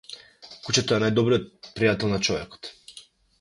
Кучето е најдобриот пријател на човекот.